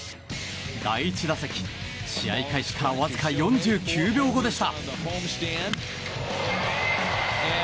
第１打席、試合開始からわずか４９秒後でした。